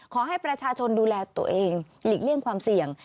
ขอให้ประชาชนดูแลตัวเองหลีกเลี่ยงความเสี่ยง